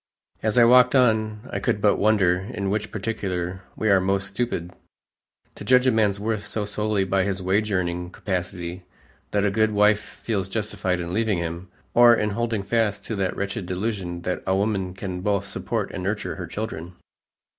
As I walked on, I could but wonder in which particular we are most stupid to judge a man's worth so solely by his wage earning capacity that a good wife feels justified in leaving him, or in holding fast to that wretched delusion that a woman can both support and nurture her children.